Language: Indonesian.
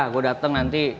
gue dateng nanti